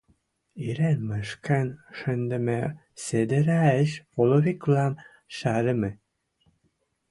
Ирен мышкын шӹндӹмӹ седӹрӓэш половиквлӓм шӓрӹмӹ.